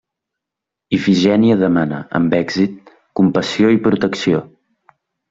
Ifigènia demana, amb èxit, compassió i protecció.